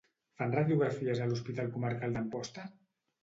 Fan radiografies a l'Hospital Comarcal d'Amposta?